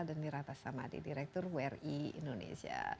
dan dirata sama di direktur wri indonesia